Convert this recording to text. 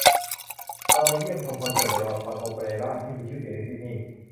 เราไปเยี่ยมชมคอนเสิร์ตในโรงละครโอเปร่าที่มีชื่อเสียงในซิดนีย์